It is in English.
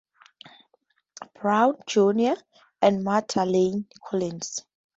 Brown, Junior and Martha Layne Collins.